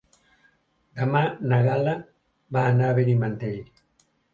Demà na Gal·la va a Benimantell.